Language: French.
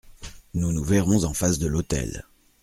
Nous nous verrons en face de l’hôtel.